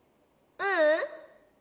ううん。